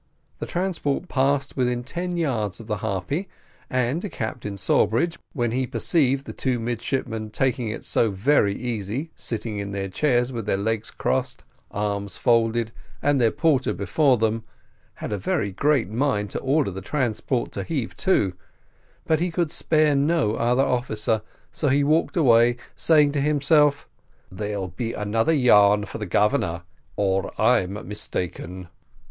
The transport passed within ten yards of the Harpy, and Captain Sawbridge, when he perceived the two midshipmen taking it so very easy, sitting in their chairs with their legs crossed, arms folded, and their porter before them, had a very great mind to order the transport to heave to, but he could spare no other officer, so he walked away, saying to himself, "There'll be another yarn for the Governor, or I'm mistaken."